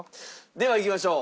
ではいきましょう。